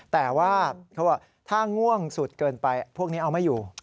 แต่ว่าเขาบอกถ้าง่วงสุดเกินไปพวกนี้เอาไม่อยู่